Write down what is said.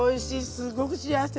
すごく幸せ。